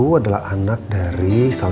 tidak ada buat kata yang trauma boule